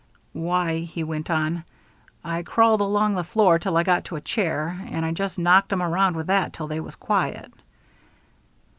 "Why," he went on, "I crawled along the floor till I got to a chair, and I just knocked 'em around with that till they was quiet."